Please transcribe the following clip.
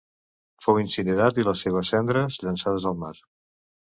Fou incinerat i les seves cendres llançades al mar.